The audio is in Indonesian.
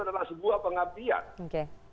itu adalah sebuah pengabdian